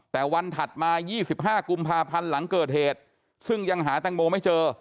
แต่วันถัดมา๒๕กุมภาพันธ์หลังเกิดเหตุซึ่งยังหาแตงโมไม่เจอ